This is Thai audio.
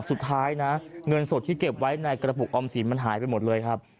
สุดท้ายนะเงินสดที่เก็บไว้ในกระปุกออมสินมันหายไปหมดเลยครับ